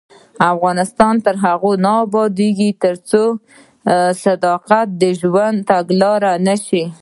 افغانستان تر هغو نه ابادیږي، ترڅو صداقت د ژوند تګلاره نشي.